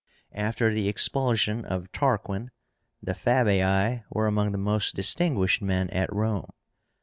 After the expulsion of Tarquin, the FABII were among the most distinguished men at Rome.